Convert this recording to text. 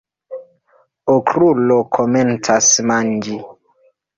Okrulo komencas manĝi.